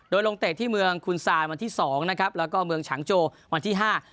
โดยลงเตะที่เมืองคุณซานวันที่สองนะครับแล้วก็เมืองฉางโจวันที่ห้า